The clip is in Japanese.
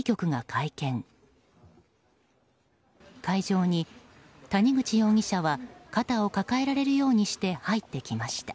会場に谷口容疑者は肩を抱えられるようにして入ってきました。